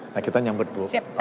nah kita nyambut bu pak kapolda